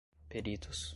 peritos